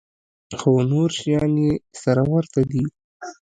خو نور شيان يې سره ورته دي.